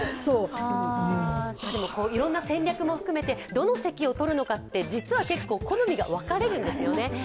いろんな戦略も含めて、どの席を取るのかって実は結構好みが分かれるんですよね。